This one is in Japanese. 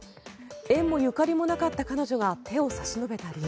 縁もゆかりもなかった彼女が手を差し伸べた理由。